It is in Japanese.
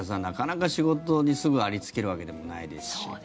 なかなか仕事にすぐありつけるわけでもないですし。